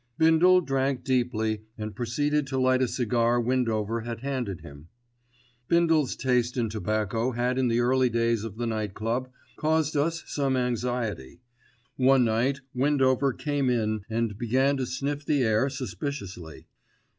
Bindle drank deeply and proceeded to light a cigar Windover had handed him. Bindle's taste in tobacco had in the early days of the Night Club caused us some anxiety. One night Windover came in and began to sniff the air suspiciously.